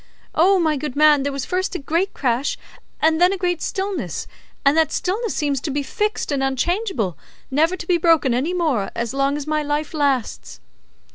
O, my good man, there was first a great crash, and then a great stillness, and that stillness seems to be fixed and unchangeable, never to be broken any more as long as my life lasts."